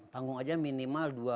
panggung aja minimal dua belas